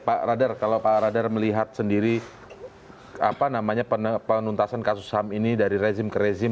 pak radar kalau pak radar melihat sendiri penuntasan kasus ham ini dari rezim ke rezim